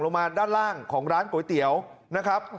ลงมาด้านล่างของร้านก๋วยเตี๋ยวนะครับ